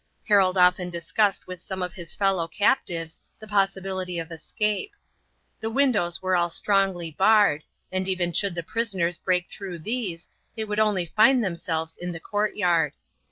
Harold often discussed with some of his fellow captives the possibility of escape. The windows were all strongly barred, and even should the prisoners break through these they would only find themselves in the courtyard.